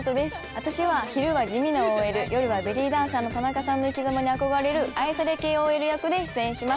私は昼は地味なＯＬ夜はベリーダンサーの田中さんの生きざまに憧れる愛され系ＯＬ役で出演します。